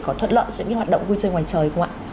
có thuận lợi cho những hoạt động vui chơi ngoài trời không ạ